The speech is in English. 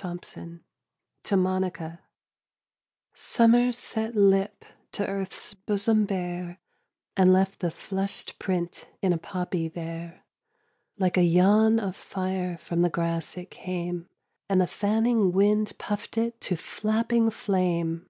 THE POPPY To MONICA Summer set lip to earth's bosom bare, And left the flushed print in a poppy there: Like a yawn of fire from the grass it came, And the fanning wind puffed it to flapping flame.